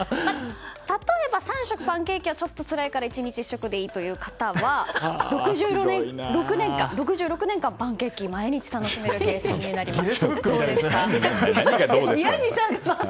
例えば３食パンケーキはつらいから１日１食でいいという方は６６年間、パンケーキを毎日楽しめる計算になります。